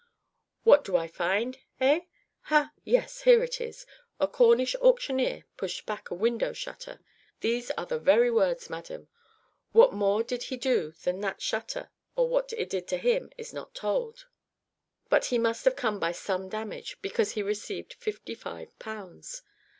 "What do I find eh? ha yes here it is a Cornish auctioneer pushed back a window shutter these are the very words, madam what more he did to that shutter, or what it did to him, is not told, but he must have come by some damage, because he received 55 pounds.